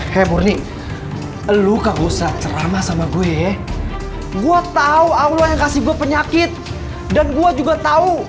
he murni elu kagak usah ceramah sama gue gue tahu allah yang kasih gue penyakit dan gue juga tahu